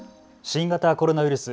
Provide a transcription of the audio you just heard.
新型コロナウイルス。